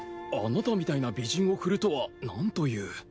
あなたみたいな美人をふるとはなんという。